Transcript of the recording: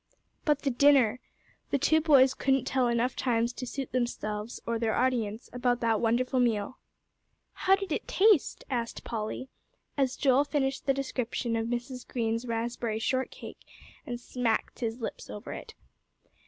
But the dinner! The two boys couldn't tell enough times to suit themselves or their audience, about that wonderful meal. "How did it taste?" asked Polly, as Joel finished the description of Mrs. Green's raspberry shortcake, and smacked his lips over it.